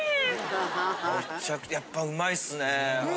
やっぱうまいっすね。